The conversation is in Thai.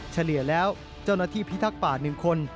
เฉลี่ยแล้วเจ้าหน้าที่พิทักษ์ป่า๑คน